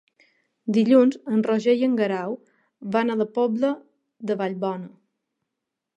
Dilluns en Roger i en Guerau van a la Pobla de Vallbona.